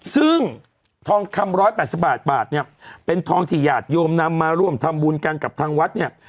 ซึ่งทองคำ๑๘๐บาทบาทเนี่ยเป็นทองที่หยาดโยมนำมาร่วมทำบุญกันกับทางวัดเนี่ย